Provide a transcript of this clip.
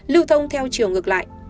lưu thông theo chiều ngược lại